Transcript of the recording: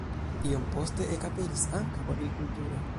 Iom poste ekaperis ankaŭ agrikulturo.